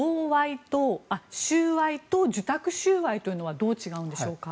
収賄と受託収賄というのはどう違うんでしょうか？